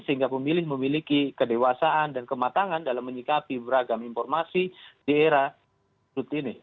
sehingga pemilih memiliki kedewasaan dan kematangan dalam menyikapi beragam informasi di era rutin ini